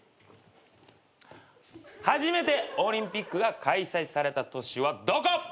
初めてオリンピックが開催された都市はどこ？